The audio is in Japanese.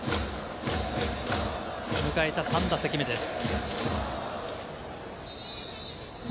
迎えた３打席目です。